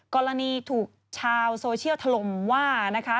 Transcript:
กรณีถูกชาวโซเชียลถล่มว่านะคะ